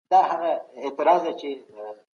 زموږ تاریخ زموږ د ژوند لارښود دی.